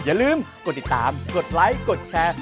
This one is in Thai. อย่าลืมกดติดตามกดไลค์กดแชร์